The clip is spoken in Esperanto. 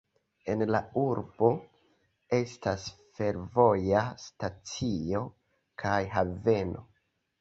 En la urbo estas fervoja stacio kaj haveno.